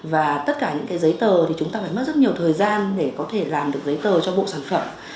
và tất cả những cái giấy tờ thì chúng ta phải mất rất nhiều thời gian để có thể làm được giấy tờ cho bộ sản phẩm